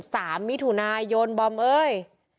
สามมิถุนายนบอมเอ้ย